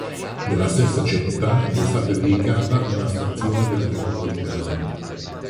Nella stessa città gli è stata dedicata una stazione della metropolitana.